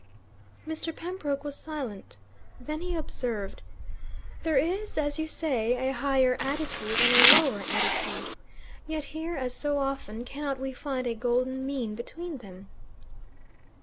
Mr. Pembroke was silent. Then he observed, "There is, as you say, a higher attitude and a lower attitude. Yet here, as so often, cannot we find a golden mean between them?"